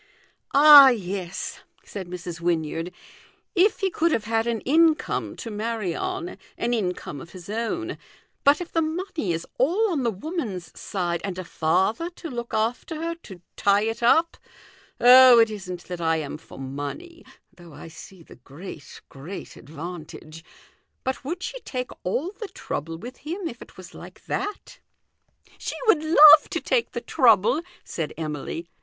" Ah, yes," said Mrs. Wynyard, " if he could have had an income to rnarry on an income of his own ; but if the money is all on the woman's side, and a father to look after her, to tie it up. Oh, it isn't that I am for money, though I see the great, great advantage. But would she take all the trouble with him if it was like that?" " She would love to take the trouble," said Emily.